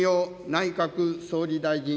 内閣総理大臣。